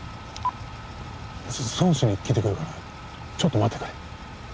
尊師に聞いて来るからちょっと待ってくれ。